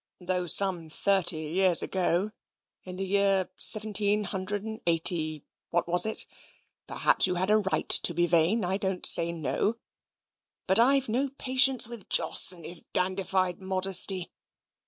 Though, some thirty years ago, in the year seventeen hundred and eighty what was it? perhaps you had a right to be vain I don't say no. But I've no patience with Jos and his dandified modesty.